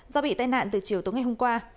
do bị tai nạn từ chiều tối ngày hôm qua